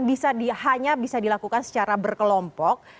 bisa hanya bisa dilakukan secara berkelompok